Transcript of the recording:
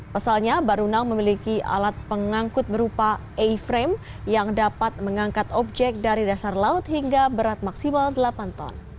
pasalnya barunang memiliki alat pengangkut berupa a frame yang dapat mengangkat objek dari dasar laut hingga berat maksimal delapan ton